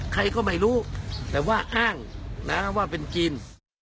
ใครก็ไม่รู้แต่ว่าอ้างนะว่าเป็นจีน